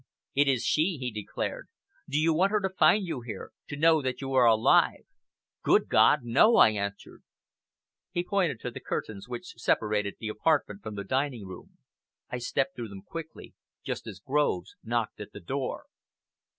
"It is she," he declared. "Do you want her to find you here, to know that you are alive?" "Good God! No!" I answered. He pointed to the curtains which separated the apartment from the dining room. I stepped through them quickly, just as Groves knocked at the door.